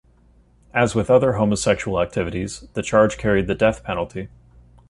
As with other homosexual activities, the charge carried the death penalty.